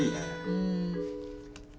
うん。